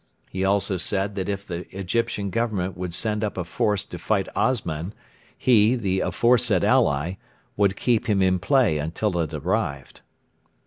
He also said that if the Egyptian Government would send up a force to fight Osman, he, the aforesaid ally, would keep him in play until it arrived.